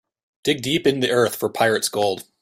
Dig deep in the earth for pirate's gold.